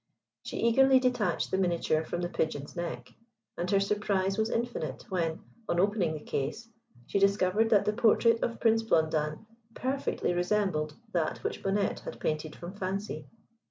She eagerly detached the miniature from the Pigeon's neck, and her surprise was infinite when, on opening the case, she discovered that the portrait of Prince Blondin perfectly resembled that which Bonnette had painted from fancy.